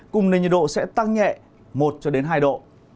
cùng nền nhiệt độ sẽ tăng nhẹ một hai độ